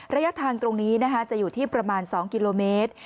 ระยะทางตรงนี้จะอยู่ที่ประมาณ๒กิโลเมตร